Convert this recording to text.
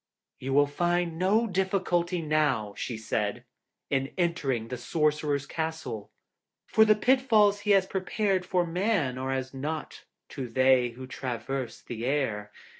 'You will find no difficulty now,' she said, 'in entering the Sorcerer's castle, for the pitfalls he has prepared for man are as nought to they who traverse the air.